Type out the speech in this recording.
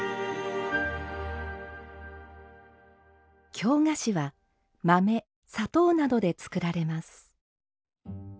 京菓子は豆砂糖などで作られます。